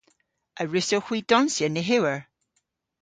A wrussowgh hwi donsya nyhewer?